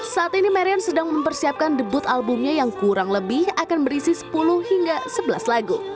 saat ini marian sedang mempersiapkan debut albumnya yang kurang lebih akan berisi sepuluh hingga sebelas lagu